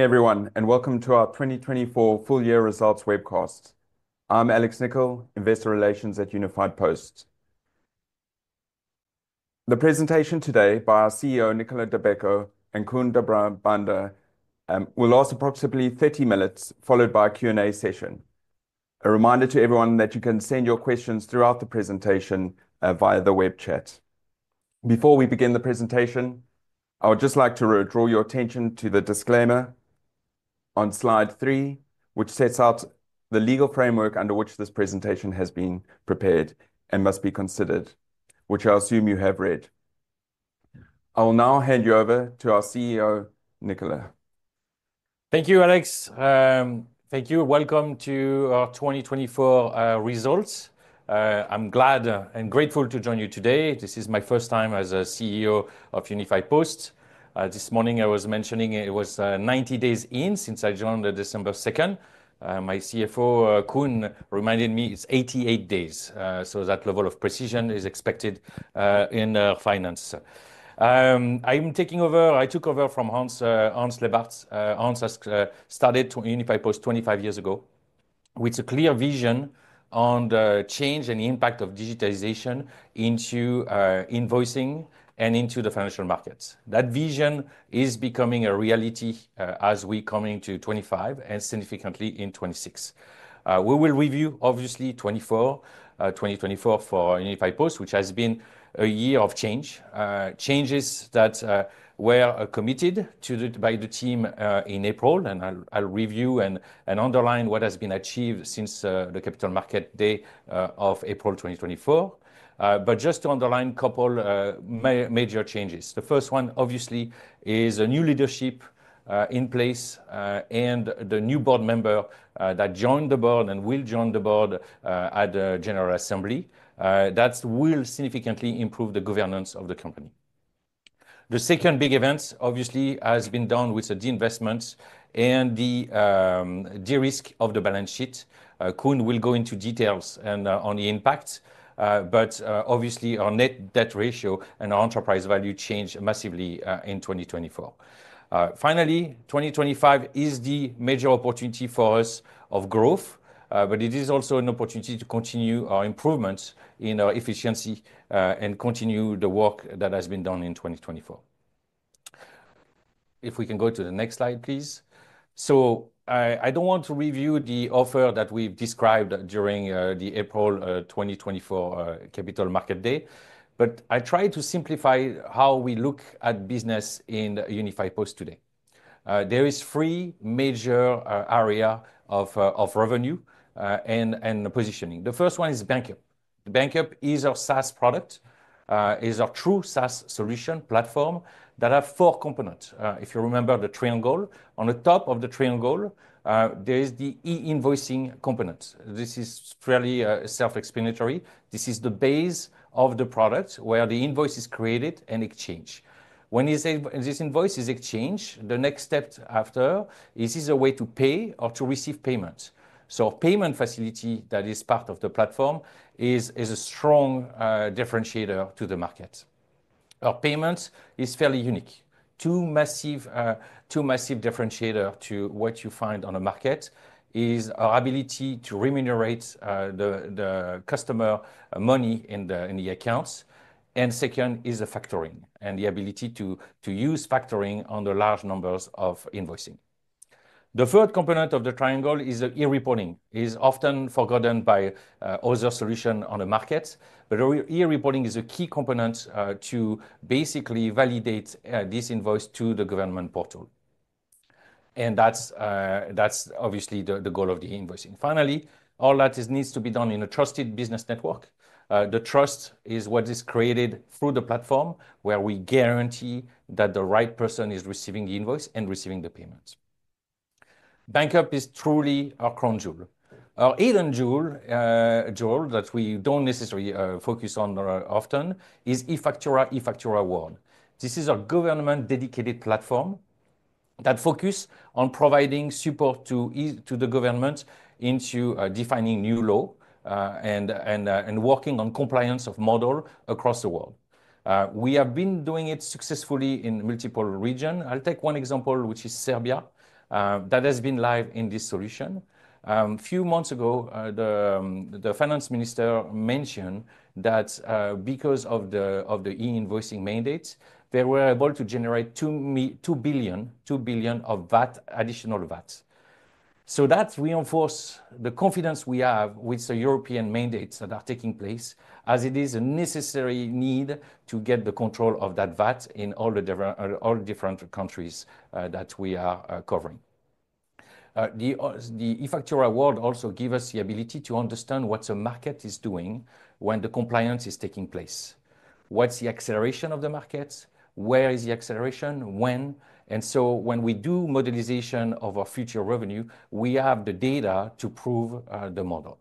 Everyone, and welcome to our 2024 full-year results webcast. I'm Alex Nicoll, Investor Relations at Banqup Group. The presentation today by our CEO, Koen De Brabander, will last approximately 30 minutes, followed by a Q&A session. A reminder to everyone that you can send your questions throughout the presentation via the web chat. Before we begin the presentation, I would just like to draw your attention to the disclaimer on slide three, which sets out the legal framework under which this presentation has been prepared and must be considered, which I assume you have read. I will now hand you over to our CEO, Nicolas. Thank you, Alex. Thank you. Welcome to our 2024 results. I'm glad and grateful to join you today. This is my first time as CEO of Unifiedpost Group. This morning, I was mentioning it was 90 days in since I joined on December 2nd. My CFO, Koen, reminded me it's 88 days. That level of precision is expected in finance. I'm taking over. I took over from Hans Leybaert. Hans started Unifiedpost Group 25 years ago with a clear vision on the change and impact of digitization into invoicing and into the financial markets. That vision is becoming a reality as we come into 2025 and significantly in 2026. We will review, obviously, 2024 for Unifiedpost Group, which has been a year of change. Changes that were committed by the team in April, and I'll review and underline what has been achieved since the capital market day of April 2024. Just to underline a couple of major changes. The first one, obviously, is a new leadership in place and the new board member that joined the board and will join the board at the General Assembly. That will significantly improve the governance of the company. The second big event, obviously, has been done with the divestments and the de-risk of the balance sheet. Koen will go into details on the impact, but obviously, our net debt ratio and our enterprise value changed massively in 2024. Finally, 2025 is the major opportunity for us of growth, but it is also an opportunity to continue our improvements in our efficiency and continue the work that has been done in 2024. If we can go to the next slide, please. I don't want to review the offer that we've described during the April 2024 capital market day, but I try to simplify how we look at business in Banqup Group today. There are three major areas of revenue and positioning. The first one is Banqup. Banqup is our SaaS product, is our true SaaS solution platform that has four components. If you remember the triangle, on the top of the triangle, there is the e-invoicing component. This is fairly self-explanatory. This is the base of the product where the invoice is created and exchanged. When this invoice is exchanged, the next step after is a way to pay or to receive payments. Our payment facility that is part of the platform is a strong differentiator to the market. Our payments are fairly unique. Two massive differentiators to what you find on the market are our ability to remunerate the customer money in the accounts, and second is the factoring and the ability to use factoring on the large numbers of invoicing. The third component of the triangle is e-reporting, which is often forgotten by other solutions on the market, but e-reporting is a key component to basically validate this invoice to the government portal. That is obviously the goal of the invoicing. Finally, all that needs to be done in a trusted business network. The trust is what is created through the platform where we guarantee that the right person is receiving the invoice and receiving the payments. Banqup is truly our crown jewel. Our hidden jewel that we do not necessarily focus on often is e-Factura World. This is a government-dedicated platform that focuses on providing support to the government into defining new law and working on compliance of models across the world. We have been doing it successfully in multiple regions. I'll take one example, which is Serbia, that has been live in this solution. A few months ago, the finance minister mentioned that because of the e-invoicing mandates, they were able to generate 2 billion of VAT, additional VAT. That reinforces the confidence we have with the European mandates that are taking place, as it is a necessary need to get the control of that VAT in all the different countries that we are covering. The e-factura World also gives us the ability to understand what the market is doing when the compliance is taking place. What's the acceleration of the market? Where is the acceleration? When? When we do modelization of our future revenue, we have the data to prove the model.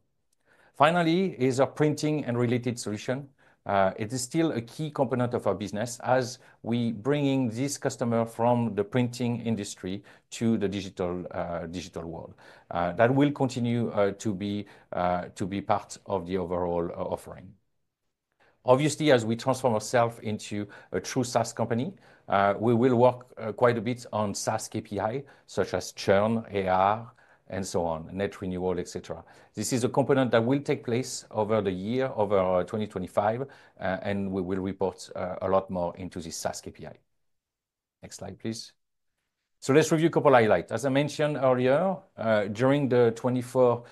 Finally, our printing and related solution is still a key component of our business as we bring this customer from the printing industry to the digital world. That will continue to be part of the overall offering. Obviously, as we transform ourselves into a true SaaS company, we will work quite a bit on SaaS KPIs such as churn, ARR, and so on, net renewal, et cetera. This is a component that will take place over the year, over 2025, and we will report a lot more into this SaaS KPI. Next slide, please. Let's review a couple of highlights. As I mentioned earlier, during the 24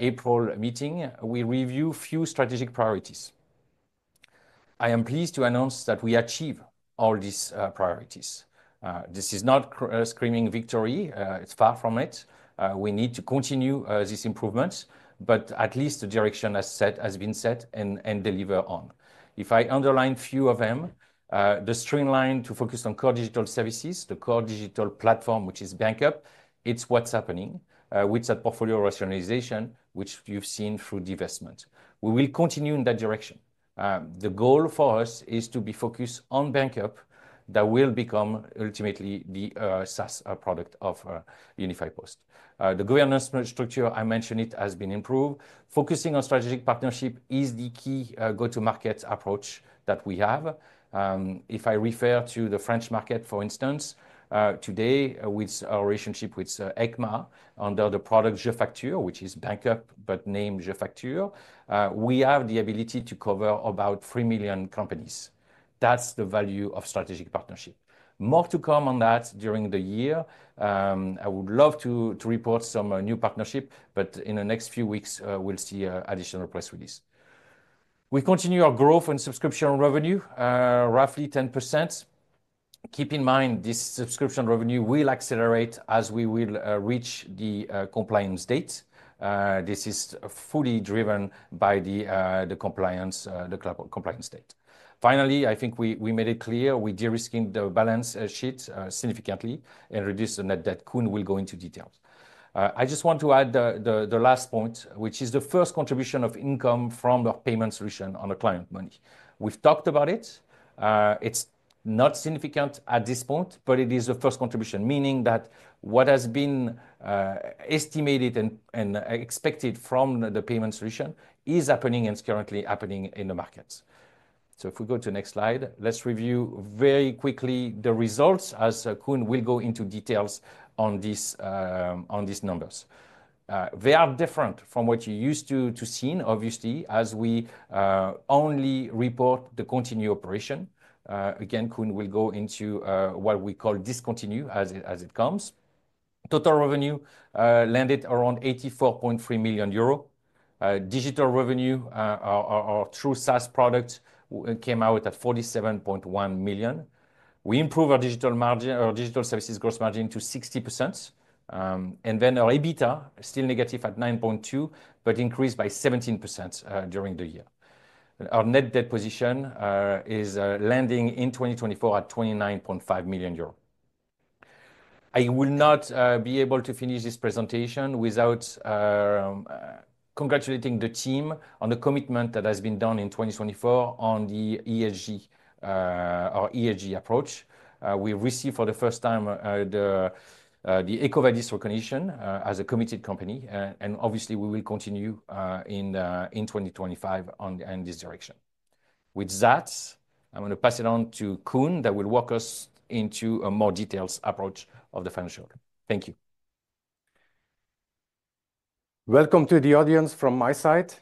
April meeting, we reviewed a few strategic priorities. I am pleased to announce that we achieved all these priorities. This is not a screaming victory. It's far from it. We need to continue these improvements, but at least the direction has been set and delivered on. If I underline a few of them, the streamline to focus on core digital services, the core digital platform, which is Banqup, it's what's happening with that portfolio rationalization, which you've seen through divestment. We will continue in that direction. The goal for us is to be focused on Banqup that will become ultimately the SaaS product of Unifiedpost Group. The governance structure I mentioned has been improved. Focusing on strategic partnership is the key go-to-market approach that we have. If I refer to the French market, for instance, today with our relationship with ECMA under the product jefacture, which is Banqup but named Jefacture, we have the ability to cover about 3 million companies. That's the value of strategic partnership. More to come on that during the year. I would love to report some new partnership, but in the next few weeks, we'll see additional press release. We continue our growth in subscription revenue, roughly 10%. Keep in mind this subscription revenue will accelerate as we will reach the compliance date. This is fully driven by the compliance date. Finally, I think we made it clear we de-risked the balance sheet significantly and reduced the net debt. Koen will go into details. I just want to add the last point, which is the first contribution of income from our payment solution on the client money. We've talked about it. It's not significant at this point, but it is the first contribution, meaning that what has been estimated and expected from the payment solution is happening and is currently happening in the markets. If we go to the next slide, let's review very quickly the results as Koen will go into details on these numbers. They are different from what you're used to seeing, obviously, as we only report the continued operation. Again, Koen will go into what we call discontinue as it comes. Total revenue landed around 84.3 million euro. Digital revenue, our true SaaS product, came out at 47.1 million. We improved our digital services gross margin to 60%. Our EBITDA is still negative at 9.2 million, but increased by 17% during the year. Our net debt position is landing in 2024 at 29.5 million euros. I will not be able to finish this presentation without congratulating the team on the commitment that has been done in 2024 on the ESG approach. We received for the first time the EcoVadis recognition as a committed company, and obviously, we will continue in 2025 in this direction. With that, I'm going to pass it on to Koen that will walk us into a more detailed approach of the financial. Thank you. Welcome to the audience from my side.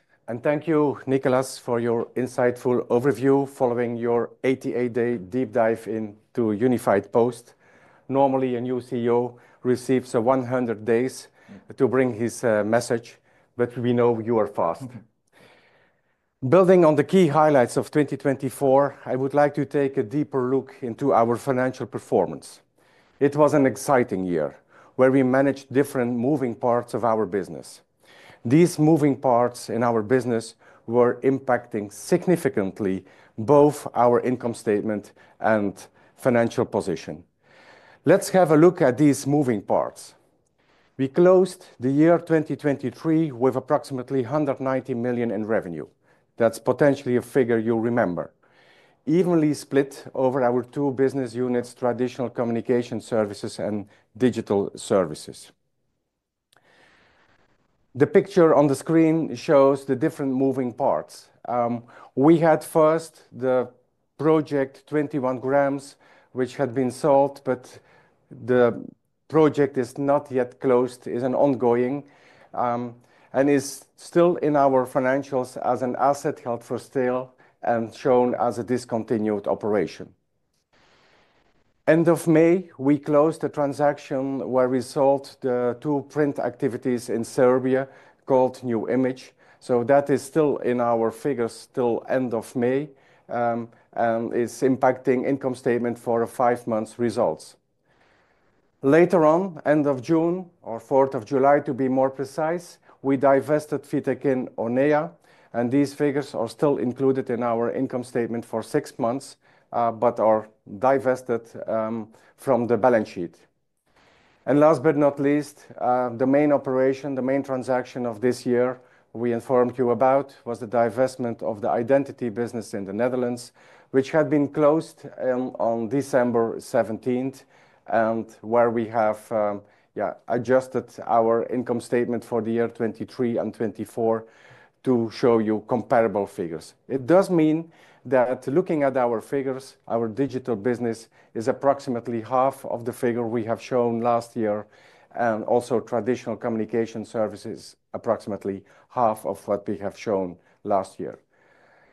Thank you, Nicolas, for your insightful overview following your 88-day deep dive into Banqup Group. Normally, a new CEO receives 100 days to bring his message, but we know you are fast. Building on the key highlights of 2024, I would like to take a deeper look into our financial performance. It was an exciting year where we managed different moving parts of our business. These moving parts in our business were impacting significantly both our income statement and financial position. Let's have a look at these moving parts. We closed the year 2023 with approximately 190 million in revenue. That's potentially a figure you'll remember, evenly split over our two business units, traditional communication services and digital services. The picture on the screen shows the different moving parts. We had first the Project 21 grams, which had been sold, but the project is not yet closed, is ongoing, and is still in our financials as an asset held for sale and shown as a discontinued operation. End of May, we closed a transaction where we sold the two print activities in Serbia called New Image. That is still in our figures, still end of May, and it is impacting income statement for five months results. Later on, end of June, or 4th of July, to be more precise, we divested Fitek and Onea, and these figures are still included in our income statement for six months, but are divested from the balance sheet. Last but not least, the main operation, the main transaction of this year we informed you about was the divestment of the identity business in the Netherlands, which had been closed on December 17, and where we have adjusted our income statement for the year 2023 and 2024 to show you comparable figures. It does mean that looking at our figures, our digital business is approximately half of the figure we have shown last year, and also traditional communication services approximately half of what we have shown last year.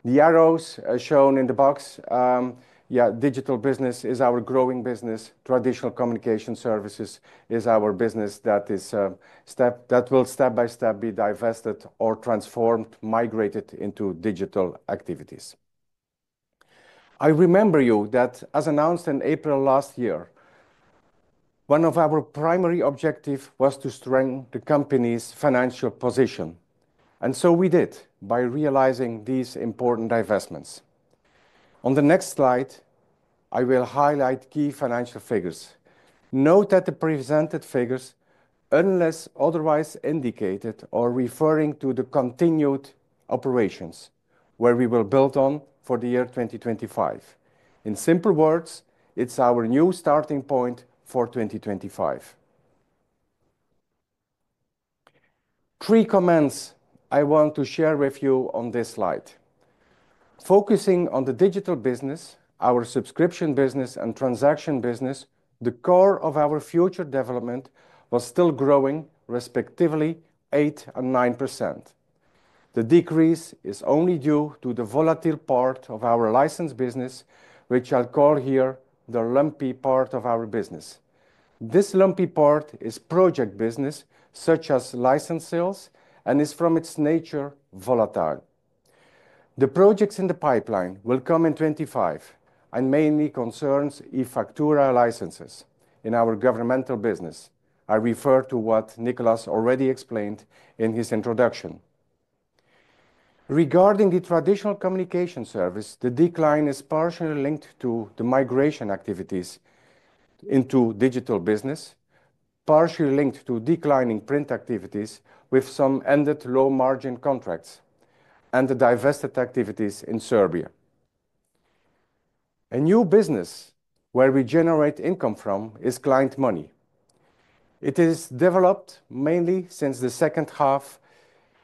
The arrows are shown in the box. Digital business is our growing business. Traditional communication services is our business that will step by step be divested or transformed, migrated into digital activities. I remember you that as announced in April last year, one of our primary objectives was to strengthen the company's financial position. We did by realizing these important divestments. On the next slide, I will highlight key financial figures. Note that the presented figures, unless otherwise indicated, are referring to the continued operations where we will build on for the year 2025. In simple words, it is our new starting point for 2025. Three comments I want to share with you on this slide. Focusing on the digital business, our subscription business, and transaction business, the core of our future development was still growing respectively 8% and 9%. The decrease is only due to the volatile part of our license business, which I will call here the lumpy part of our business. This lumpy part is project business, such as license sales, and is from its nature volatile. The projects in the pipeline will come in 2025 and mainly concern e-factura licenses in our governmental business. I refer to what Nicolas already explained in his introduction. Regarding the traditional communication service, the decline is partially linked to the migration activities into digital business, partially linked to declining print activities with some ended low-margin contracts, and the divested activities in Serbia. A new business where we generate income from is client money. It is developed mainly since the second half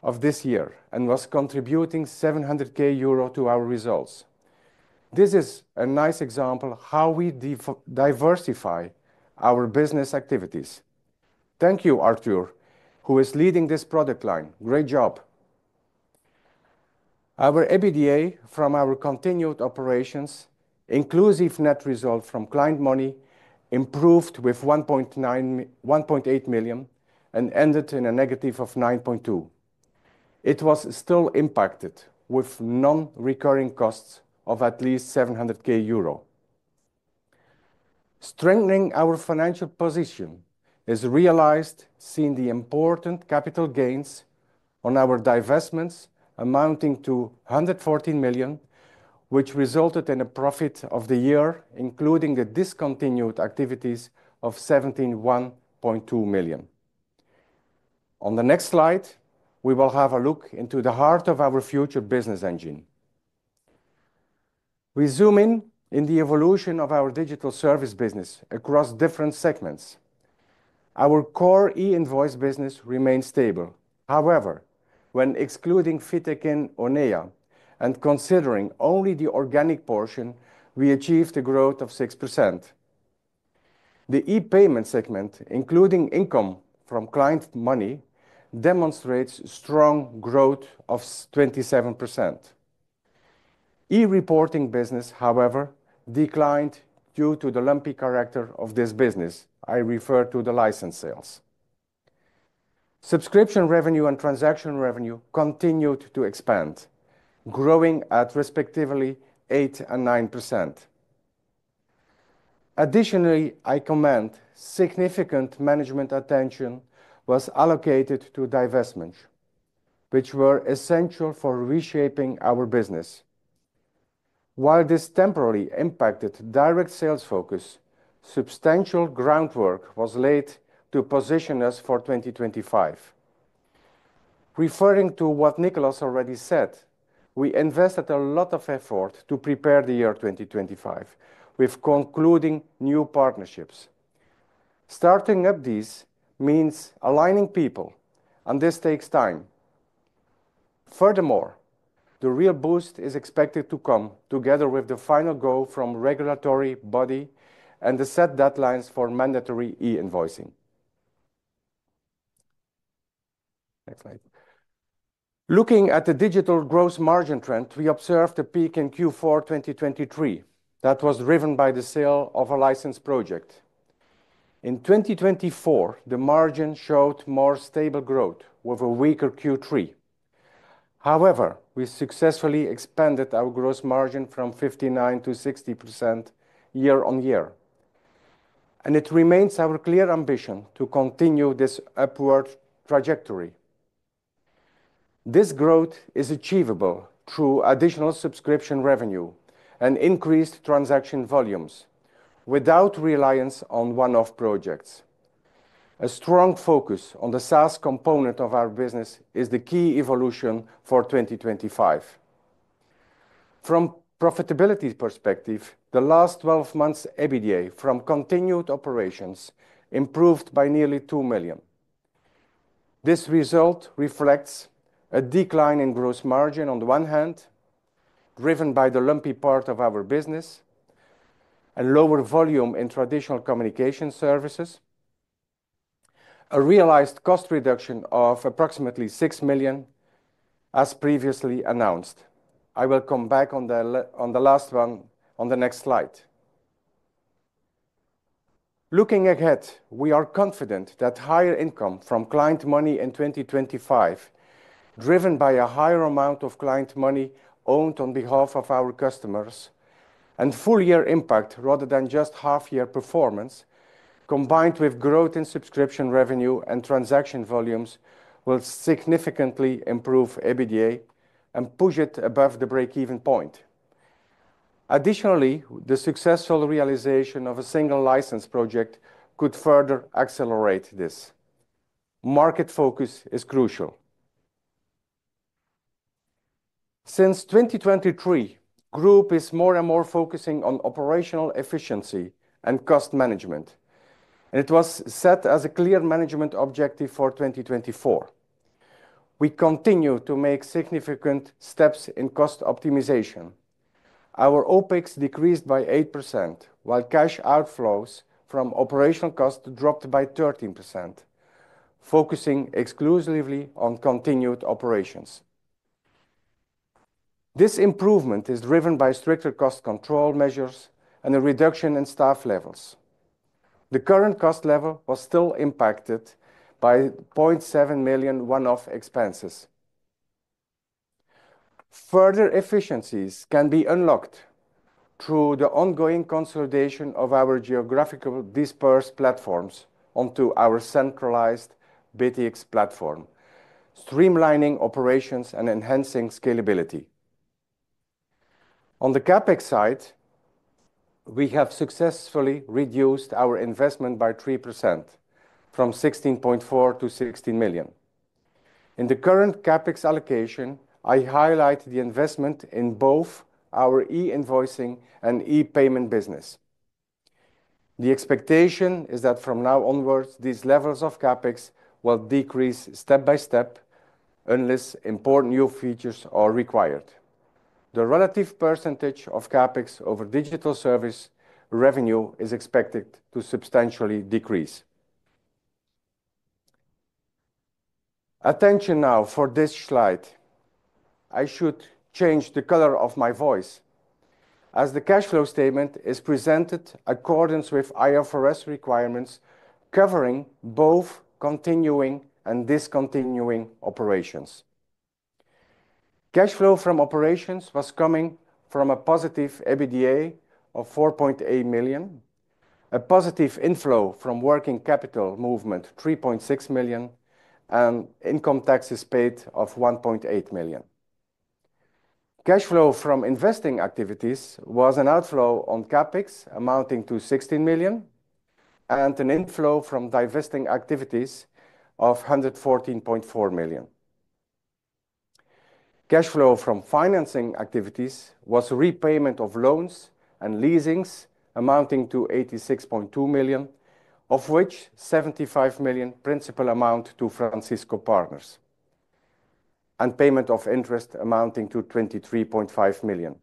of this year and was contributing 700,000 euro to our results. This is a nice example of how we diversify our business activities. Thank you, Arthur, who is leading this product line. Great job. Our EBITDA from our continued operations, inclusive net result from client money, improved with 1.8 million and ended in a negative of 9.2 million. It was still impacted with non-recurring costs of at least 700,000 euro. Strengthening our financial position is realized seeing the important capital gains on our divestments amounting to 114 million, which resulted in a profit of the year, including the discontinued activities, of 171.2 million. On the next slide, we will have a look into the heart of our future business engine. We zoom in on the evolution of our digital service business across different segments. Our core e-invoice business remains stable. However, when excluding Fitek and Onea and considering only the organic portion, we achieved a growth of 6%. The e-payment segment, including income from client money, demonstrates strong growth of 27%. E-reporting business, however, declined due to the lumpy character of this business. I refer to the license sales. Subscription revenue and transaction revenue continued to expand, growing at respectively 8% and 9%. Additionally, I comment significant management attention was allocated to divestments, which were essential for reshaping our business. While this temporarily impacted direct sales focus, substantial groundwork was laid to position us for 2025. Referring to what Nicolas already said, we invested a lot of effort to prepare the year 2025 with concluding new partnerships. Starting up these means aligning people, and this takes time. Furthermore, the real boost is expected to come together with the final goal from regulatory body and the set deadlines for mandatory e-invoicing. Next slide. Looking at the digital gross margin trend, we observed a peak in Q4 2023 that was driven by the sale of a license project. In 2024, the margin showed more stable growth with a weaker Q3. However, we successfully expanded our gross margin from 59% to 60% year on year. It remains our clear ambition to continue this upward trajectory. This growth is achievable through additional subscription revenue and increased transaction volumes without reliance on one-off projects. A strong focus on the SaaS component of our business is the key evolution for 2025. From a profitability perspective, the last 12 months' EBITDA from continued operations improved by nearly 2 million. This result reflects a decline in gross margin on the one hand, driven by the lumpy part of our business and lower volume in traditional communication services, a realized cost reduction of approximately 6 million as previously announced. I will come back on the last one on the next slide. Looking ahead, we are confident that higher income from client money in 2025, driven by a higher amount of client money owned on behalf of our customers and full-year impact rather than just half-year performance, combined with growth in subscription revenue and transaction volumes, will significantly improve EBITDA and push it above the break-even point. Additionally, the successful realization of a single license project could further accelerate this. Market focus is crucial. Since 2023, the group is more and more focusing on operational efficiency and cost management. It was set as a clear management objective for 2024. We continue to make significant steps in cost optimization. Our OPEX decreased by 8%, while cash outflows from operational costs dropped by 13%, focusing exclusively on continued operations. This improvement is driven by stricter cost control measures and a reduction in staff levels. The current cost level was still impacted by 0.7 million one-off expenses. Further efficiencies can be unlocked through the ongoing consolidation of our geographically disperse platforms onto our centralized BTX platform, streamlining operations and enhancing scalability. On the CapEx side, we have successfully reduced our investment by 3% from 16.4 million to 16 million. In the current CapEx allocation, I highlight the investment in both our e-invoicing and e-payment business. The expectation is that from now onwards, these levels of CapEx will decrease step by step unless important new features are required. The relative percentage of CapEx over digital service revenue is expected to substantially decrease. Attention now for this slide. I should change the color of my voice as the cash flow statement is presented according to IFRS requirements covering both continuing and discontinuing operations. Cash flow from operations was coming from a positive EBITDA of 4.8 million, a positive inflow from working capital movement 3.6 million, and income taxes paid of 1.8 million. Cash flow from investing activities was an outflow on CapEx amounting to 16 million, and an inflow from divesting activities of 114.4 million. Cash flow from financing activities was repayment of loans and leasings amounting to 86.2 million, of which 75 million principal amount to Francisco Partners, and payment of interest amounting to 23.5 million.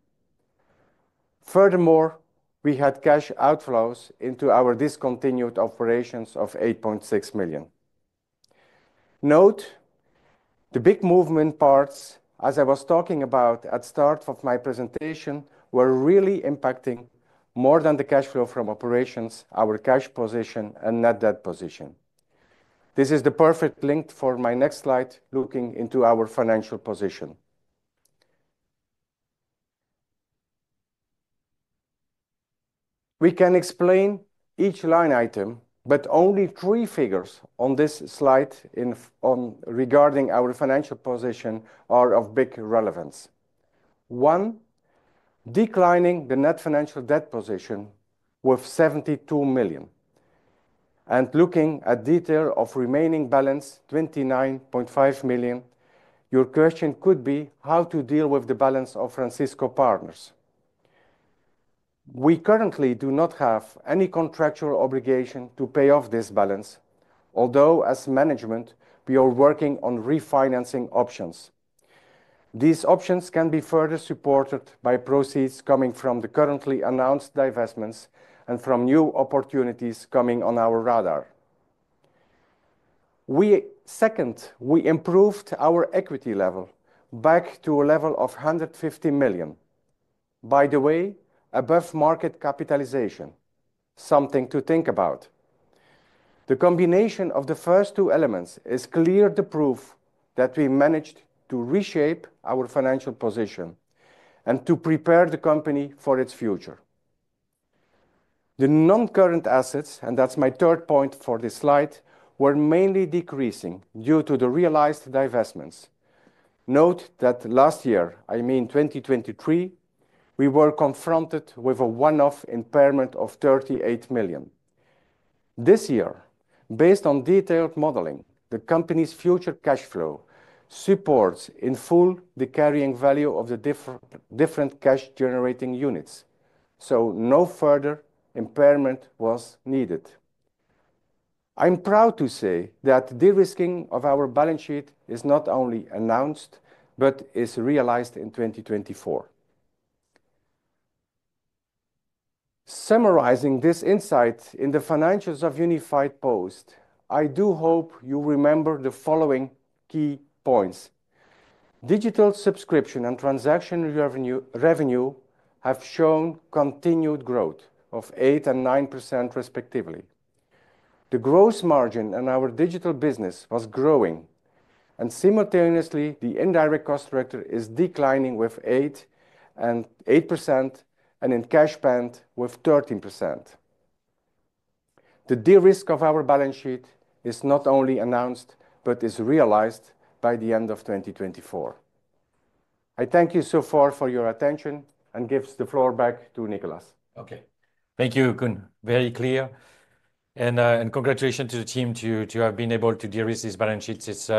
Furthermore, we had cash outflows into our discontinued operations of 8.6 million. Note, the big movement parts, as I was talking about at the start of my presentation, were really impacting more than the cash flow from operations, our cash position, and net debt position. This is the perfect link for my next slide looking into our financial position. We can explain each line item, but only three figures on this slide regarding our financial position are of big relevance. One, declining the net financial debt position with 72 million. And looking at detail of remaining balance, 29.5 million, your question could be how to deal with the balance of Francisco Partners. We currently do not have any contractual obligation to pay off this balance, although as management, we are working on refinancing options. These options can be further supported by proceeds coming from the currently announced divestments and from new opportunities coming on our radar. Second, we improved our equity level back to a level of 150 million, by the way, above market capitalization, something to think about. The combination of the first two elements is clear to prove that we managed to reshape our financial position and to prepare the company for its future. The non-current assets, and that's my third point for this slide, were mainly decreasing due to the realized divestments. Note that last year, I mean 2023, we were confronted with a one-off impairment of 38 million. This year, based on detailed modeling, the company's future cash flow supports in full the carrying value of the different cash-generating units. No further impairment was needed. I'm proud to say that de-risking of our balance sheet is not only announced, but is realized in 2024. Summarizing this insight in the financials of Banqup Group, I do hope you remember the following key points. Digital subscription and transaction revenue have shown continued growth of 8% and 9% respectively. The gross margin in our digital business was growing, and simultaneously, the indirect cost director is declining with 8% and in cash spend with 13%. The de-risk of our balance sheet is not only announced, but is realized by the end of 2024. I thank you so far for your attention and give the floor back to Nicolas. Okay. Thank you, Koen. Very clear. And congratulations to the team to have been able to de-risk these balance sheets. It's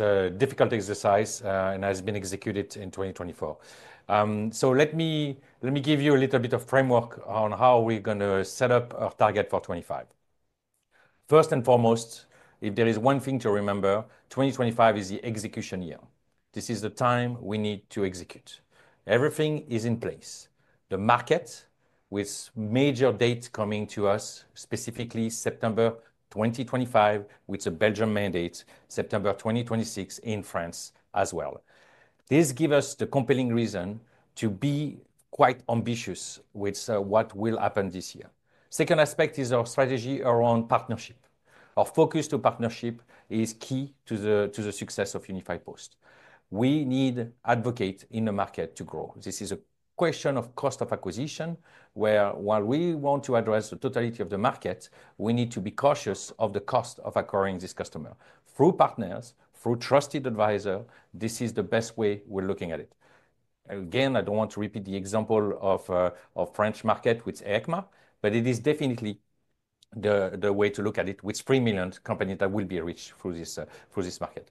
a difficult exercise and has been executed in 2024. Let me give you a little bit of framework on how we're going to set up our target for 2025. First and foremost, if there is one thing to remember, 2025 is the execution year. This is the time we need to execute. Everything is in place. The market with major dates coming to us, specifically September 2025, with the Belgium mandate, September 2026 in France as well. This gives us the compelling reason to be quite ambitious with what will happen this year. The second aspect is our strategy around partnership. Our focus to partnership is key to the success of Banqup Group. We need advocates in the market to grow. This is a question of cost of acquisition, where while we want to address the totality of the market, we need to be cautious of the cost of acquiring this customer. Through partners, through trusted advisor, this is the best way we're looking at it. Again, I don't want to repeat the example of a French market with ECMA, but it is definitely the way to look at it with 3 million companies that will be reached through this market.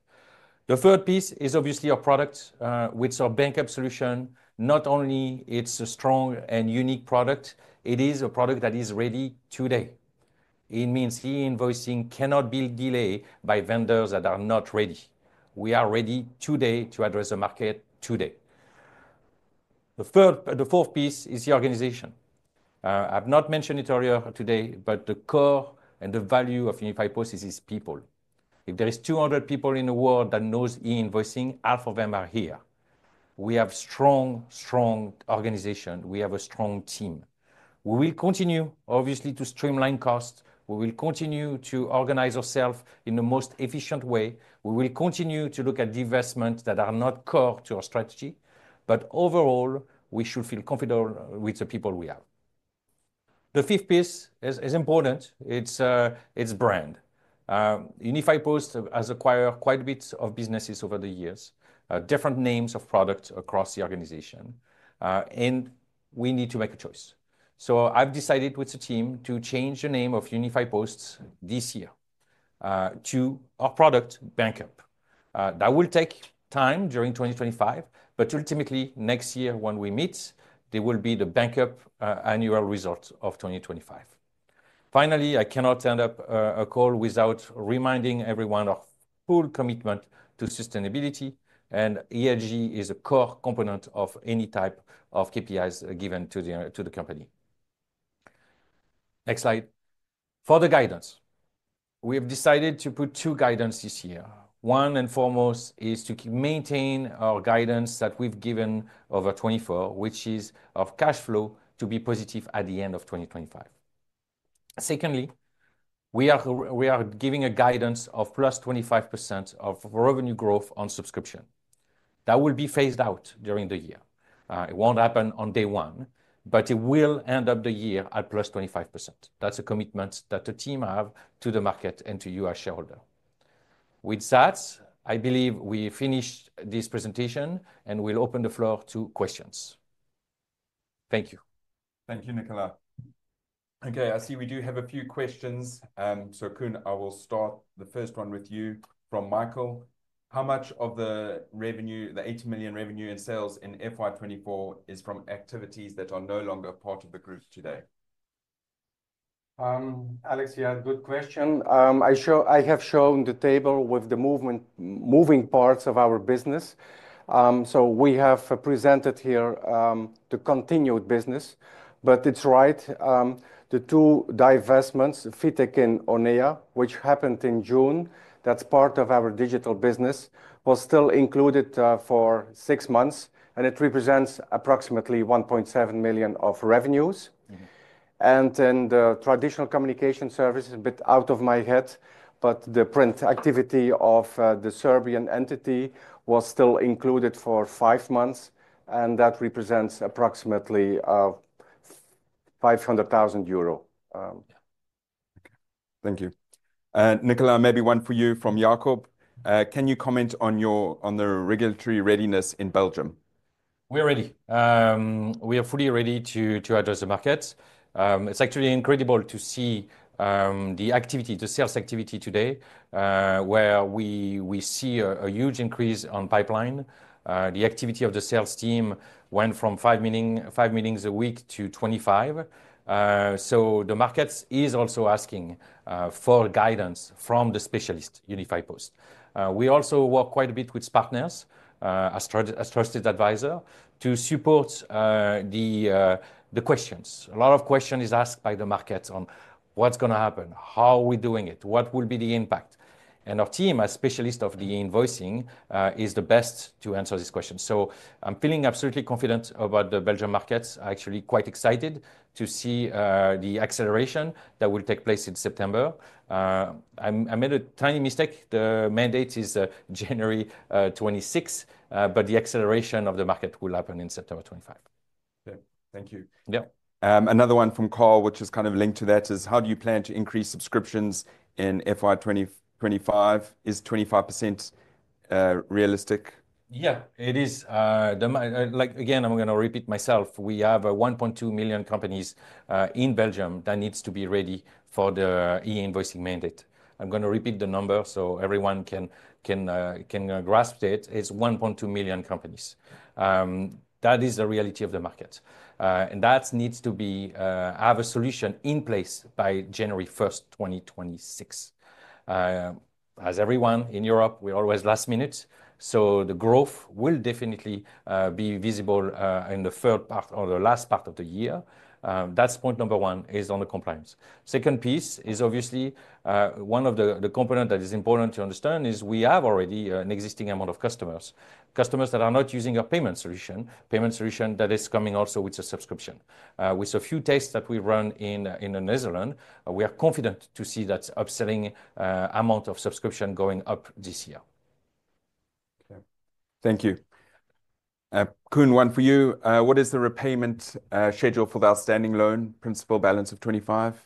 The third piece is obviously our product with our Banqup solution. Not only is it a strong and unique product, it is a product that is ready today. It means e-invoicing cannot be delayed by vendors that are not ready. We are ready today to address the market today. The fourth piece is the organization. I've not mentioned it earlier today, but the core and the value of Banqup Group is people. If there are 200 people in the world that know e-invoicing, half of them are here. We have a strong, strong organization. We have a strong team. We will continue, obviously, to streamline costs. We will continue to organize ourselves in the most efficient way. We will continue to look at divestments that are not core to our strategy. Overall, we should feel confident with the people we have. The fifth piece is important. It is brand. Banqup Group has acquired quite a bit of businesses over the years, different names of products across the organization. We need to make a choice. I have decided with the team to change the name of Banqup Group this year to our product, Banqup. That will take time during 2025, but ultimately, next year when we meet, there will be the Banqup annual results of 2025. Finally, I cannot end up a call without reminding everyone of full commitment to sustainability. ESG is a core component of any type of KPIs given to the company. Next slide. For the guidance, we have decided to put two guidance this year. One and foremost is to maintain our guidance that we've given over 2024, which is of cash flow to be positive at the end of 2025. Secondly, we are giving a guidance of plus 25% of revenue growth on subscription. That will be phased out during the year. It won't happen on day one, but it will end up the year at plus 25%. That's a commitment that the team have to the market and to you, our shareholder. With that, I believe we finish this presentation and we'll open the floor to questions. Thank you. Thank you, Nicolas. Okay, I see we do have a few questions. Kun, I will start the first one with you from Michael. How much of the revenue, the 80 million revenue and sales in FY2024, is from activities that are no longer part of the group today? Alex, you had a good question. I have shown the table with the moving parts of our business. We have presented here the continued business, but it's right. The two divestments, Fitech and Onea, which happened in June, that's part of our digital business, was still included for six months, and it represents approximately 1.7 million of revenues. The traditional communication service, a bit out of my head, but the print activity of the Serbian entity was still included for five months, and that represents approximately 500,000 euro. Thank you. Nicola, maybe one for you from Jacob. Can you comment on the regulatory readiness in Belgium? We're ready. We are fully ready to address the market. It's actually incredible to see the activity, the sales activity today, where we see a huge increase on pipeline. The activity of the sales team went from five meetings a week to 25. The market is also asking for guidance from the specialist, Banqup Group. We also work quite a bit with partners as trusted advisor to support the questions. A lot of questions are asked by the market on what's going to happen, how are we doing it, what will be the impact. Our team, a specialist of the invoicing, is the best to answer these questions. I'm feeling absolutely confident about the Belgium markets. I'm actually quite excited to see the acceleration that will take place in September. I made a tiny mistake. The mandate is January 2026, but the acceleration of the market will happen in September 2025. Okay, thank you. Yeah, another one from Karl, which is kind of linked to that, is how do you plan to increase subscriptions in FY25? Is 25% realistic? Yeah, it is. Again, I'm going to repeat myself. We have 1.2 million companies in Belgium that need to be ready for the e-invoicing mandate. I'm going to repeat the number so everyone can grasp it. It's 1.2 million companies. That is the reality of the market. That needs to have a solution in place by January 1, 2026. As everyone in Europe, we're always last minute. The growth will definitely be visible in the third part or the last part of the year. That's point number one is on the compliance. Second piece is obviously one of the components that is important to understand is we have already an existing amount of customers, customers that are not using a payment solution, payment solution that is coming also with a subscription. With a few tests that we run in the Netherlands, we are confident to see that upselling amount of subscription going up this year. Okay, thank you. Koen, one for you. What is the repayment schedule for the outstanding loan principal balance of 25?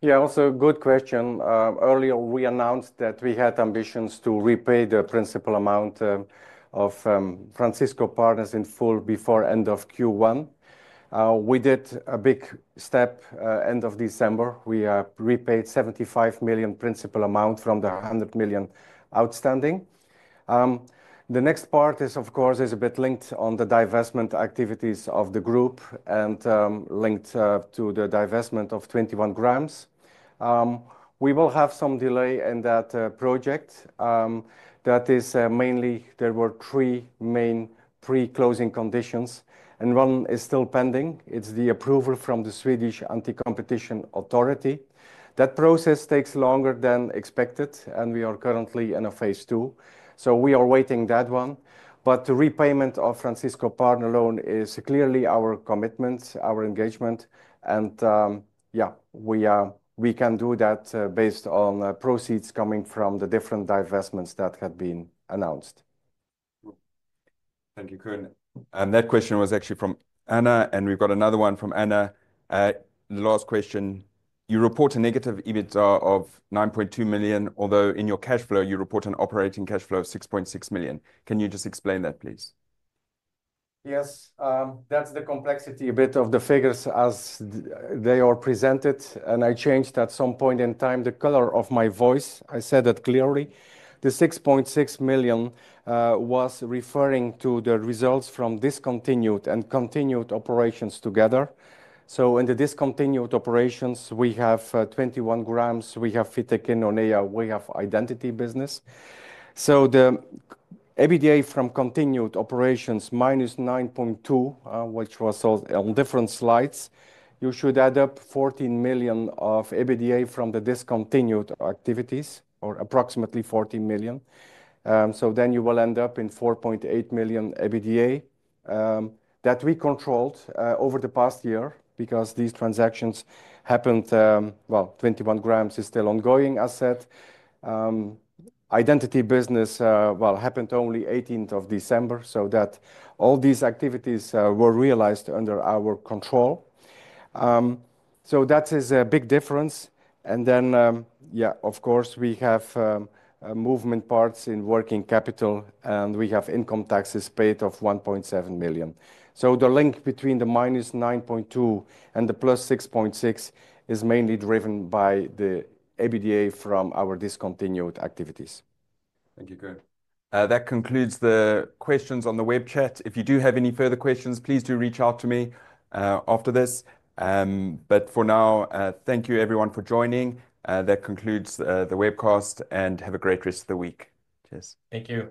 Yeah, also a good question. Earlier, we announced that we had ambitions to repay the principal amount of Francisco Partners in full before the end of Q1. We did a big step at the end of December. We repaid 75 million principal amount from the 100 million outstanding. The next part is, of course, a bit linked on the divestment activities of the group and linked to the divestment of 21grams. We will have some delay in that project. That is mainly there were three main pre-closing conditions, and one is still pending. It is the approval from the Swedish Anti-Competition Authority. That process takes longer than expected, and we are currently in a phase two. We are waiting that one. The repayment of Francisco Partners loan is clearly our commitment, our engagement. Yeah, we can do that based on proceeds coming from the different divestments that have been announced. Thank you, Koen. That question was actually from Anna, and we have got another one from Anna. The last question, you report a negative EBITDA of 9.2 million, although in your cash flow, you report an operating cash flow of 6.6 million. Can you just explain that, please? Yes, that's the complexity a bit of the figures as they are presented. I changed at some point in time the color of my voice. I said that clearly. The 6.6 million was referring to the results from discontinued and continued operations together. In the discontinued operations, we have 21grams, we have Fitech and Onea, we have identity business. The EBITDA from continued operations minus 9.2 million, which was on different slides, you should add up 14 million of EBITDA from the discontinued activities or approximately 14 million. You will end up in 4.8 million EBITDA that we controlled over the past year because these transactions happened. 21grams is still ongoing, as said. Identity business happened only 18th of December, so that all these activities were realized under our control. That is a big difference. Yeah, of course, we have movement parts in working capital, and we have income taxes paid of 1.7 million. The link between the minus 9.2 million and the plus 6.6 million is mainly driven by the EBITDA from our discontinued activities. Thank you, Koen. That concludes the questions on the web chat. If you do have any further questions, please do reach out to me after this. For now, thank you everyone for joining. That concludes the webcast, and have a great rest of the week. Cheers. Thank you.